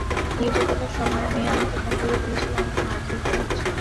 নির্যাতনের সময় মেয়ে আমাকে ফোন করে বলেছিল, তাকে মারধর করা হচ্ছে।